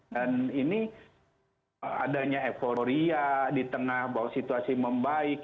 dan ini adanya euforia di tengah bahwa situasi membaik